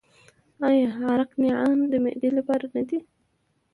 آیا عرق نعنا د معدې لپاره نه دی؟